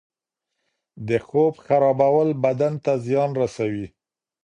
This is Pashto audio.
د خوب خرابول بدن ته زیان رسوي.